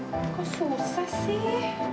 kok susah sih